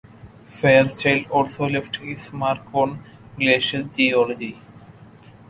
Fairchild also left his mark on glacial geology.